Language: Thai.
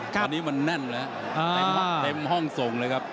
ตอนนี้มันแน่นแล้วเต็มห้องส่งเลยครับ